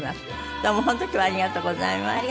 どうも本当に今日はありがとうございました。